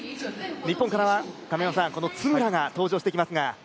日本からはこの津村が登場してきますが。